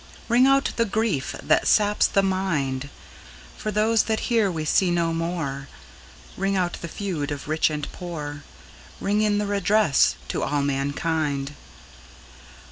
Ring out the grief that saps the mind, For those that here we see no more, Ring out the feud of rich and poor, Ring in redress to all mankind.